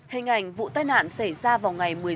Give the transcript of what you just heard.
hình ảnh vụ tai nạn xảy ra vào ngày một mươi sáu tháng một mươi